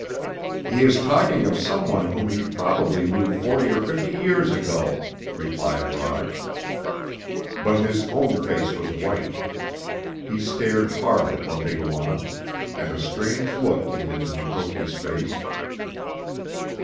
"He is talking of some one whom he probably knew forty or fifty years ago," replied Rod. But his own face was white. He stared hard at Wabigoon, and a strange look came into Mukoki's face.